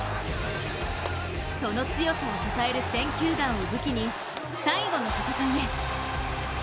その強さを支える選球眼を武器に最後の戦いへ。